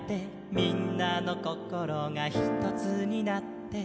「みんなのこころがひとつになって」